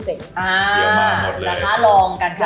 เดี๋ยวมาหมดเลย